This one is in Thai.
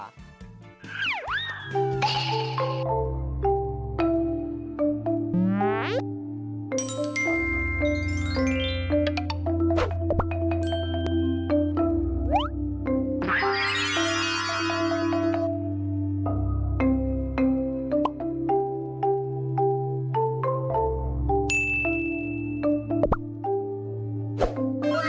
บุตรมาบนที่พระบุญที่โฉมสองคน